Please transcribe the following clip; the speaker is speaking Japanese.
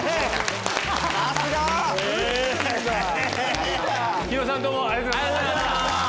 日野さんどうもありがとうございました。